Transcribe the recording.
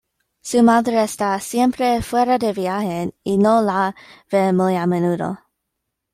Su madre está siempre fuera de viaje y no la ve muy a menudo.